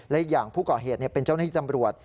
และอีกอย่างผู้ก่อเหตุเป็นเจ้าหน้าที่ตำรวจ